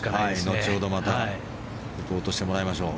後ほどまたリポートしてもらいましょう。